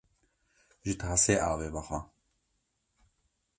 Ji tasê avê vexwe